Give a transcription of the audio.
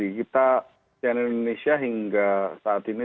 kita cnn indonesia hingga saat ini